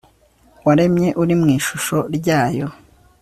waremye, uri mu ishusho rya yo